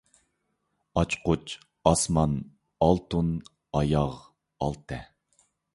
ئاچقۇچ، ئاسمان، ئالتۇن، ئاياغ، ئالتە.